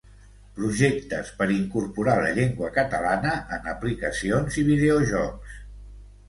Projectes per incorporar la llengua catalana en aplicacions i videojocs.